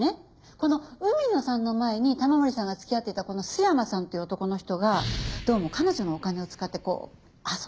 この海野さんの前に玉森さんが付き合っていたこの須山さんという男の人がどうも彼女のお金を使ってこう遊んでたらしいんですよね。